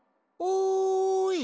おい！